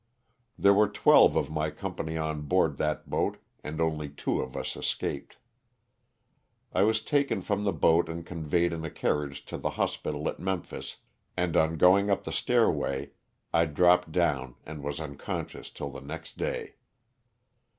There were twelve of my company oq board that boat and only two of us escaped. I was taken from the boat and conveyed in a carriage to the hospital at Memphis, and on going up the stairway I dropped down and was unconscious till the next day.